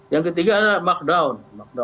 yang ketiga ada markdown